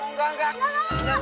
enggak enggak enggak